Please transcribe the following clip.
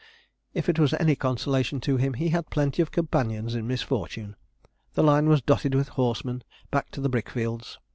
If it was any consolation to him, he had plenty of companions in misfortune. The line was dotted with horsemen back to the brick fields.